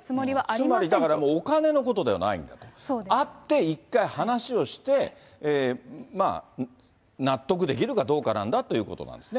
つまりだから、お金のことではないんだと、会って１回話をして、納得できるかどうかなんだってことなんですね。